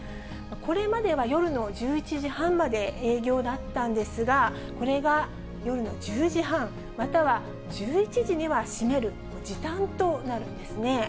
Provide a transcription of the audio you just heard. これまでは夜の１１時半まで営業だったんですが、これが夜の１０時半、または１１時には閉める、時短となるんですね。